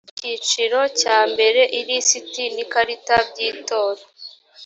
icyiciro cya mbere ilisiti n ikarita by itora